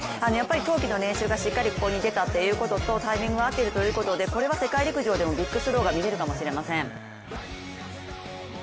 冬季の練習がここにしっかり出たということとタイミングが合ってるということでこれは世界陸上ビッグスローが見られるかもしれません。